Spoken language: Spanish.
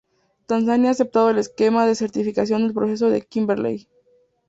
Tanzania ha aceptado el Esquema de Certificación de Proceso de Kimberley.